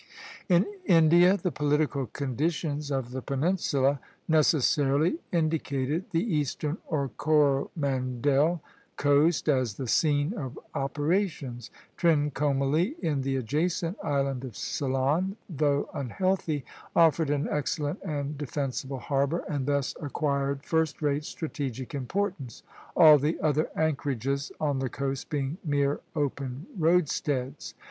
In India the political conditions of the peninsula necessarily indicated the eastern, or Coromandel, coast as the scene of operations. Trincomalee, in the adjacent island of Ceylon, though unhealthy, offered an excellent and defensible harbor, and thus acquired first rate strategic importance, all the other anchorages on the coast being mere open roadsteads.